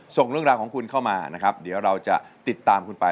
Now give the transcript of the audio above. ส่งเรื่องราวของคุณเข้ามานะครับเดี๋ยวเราจะติดตามคุณไป